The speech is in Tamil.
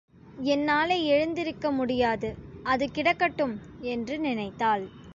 என்னாலே எழுந்திருக்க முடியாது அது கிடக்கட்டும் என்று நினைத்தாள்.